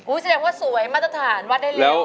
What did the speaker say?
แสดงว่าสวยมาตรฐานวัดได้เร็ว